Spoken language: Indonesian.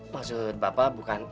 maksud bapak bukan